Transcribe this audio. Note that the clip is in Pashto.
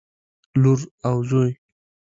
لور او زوى